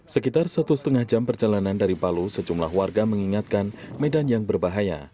sekitar satu lima jam perjalanan dari palu sejumlah warga mengingatkan medan yang berbahaya